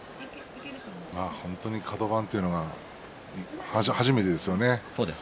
本当にカド番というのは初めてですよね。